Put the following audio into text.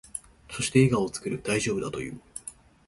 そして、笑顔を作る。大丈夫だと言う。